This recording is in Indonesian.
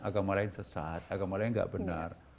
agama lain sesat agama lain nggak benar